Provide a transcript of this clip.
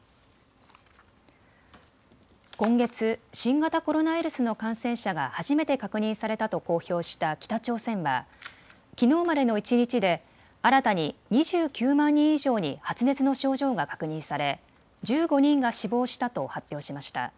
今月、新型コロナウイルスの感染者が初めて確認されたと公表した北朝鮮はきのうまでの一日で新たに２９万人以上に発熱の症状が確認され１５人が死亡したと発表しました。